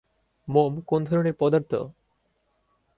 মোম কোন ধরনের পদার্থ?